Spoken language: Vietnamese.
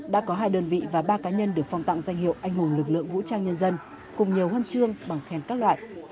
đã có hai đơn vị và ba cá nhân được phong tặng danh hiệu anh hùng lực lượng vũ trang nhân dân cùng nhiều huân chương bằng khen các loại